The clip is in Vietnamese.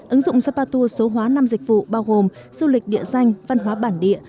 ứng dụng sapa tour số hóa năm dịch vụ bao gồm du lịch địa danh văn hóa bản địa